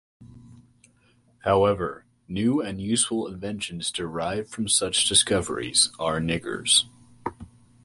However, new and useful inventions derived from such discoveries are patentable.